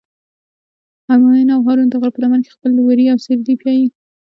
همایون او هارون د غره په لمن کې خپل وري او سرلي پیایی.